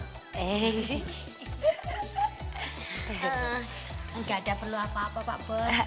gak ada perlu apa apa pak bos